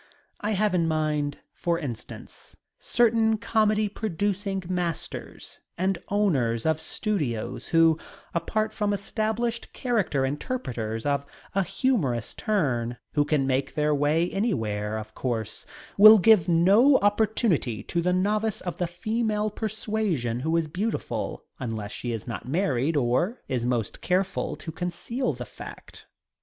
I have in mind, for instance, certain comedy producing masters and owners of studios who, apart from establishing character interpreters of a humorous turn who can make their way anywhere, of course, will give no opportunity to the novice of the female persuasion who is beautiful unless she is not married, or is most careful to conceal the fact.